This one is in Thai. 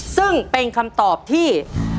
ซึ่งเป็นคำตอบที่